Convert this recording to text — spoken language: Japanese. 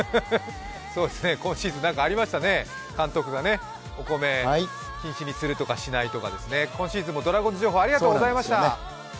今シーズン何かありましたね、監督がお米を品種にするとかしないとかね、今シーズンもドラゴンズ情報ありがとうございました。